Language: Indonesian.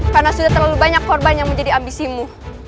karena sudah terlalu banyak korban yang menjadi ambisimu